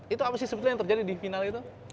itu apa sih sebetulnya yang terjadi di final itu